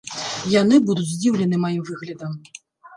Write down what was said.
Яны будуць здзіўлены маім выглядам.